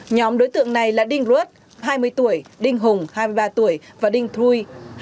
nhóm đối tượng này là đinh ruất hai mươi tuổi đinh hùng hai mươi ba tuổi và đinh thui